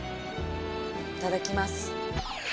いただきます。